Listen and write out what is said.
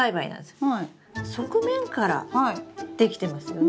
側面からできてますよね。